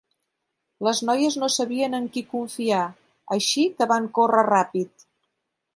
Les noies no sabien en qui confiar, així que van córrer ràpid.